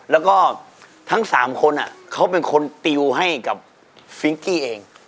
แล้วก็ทั้ง๓คนเขาเป็นคนติวให้กับฟิงกี้เอง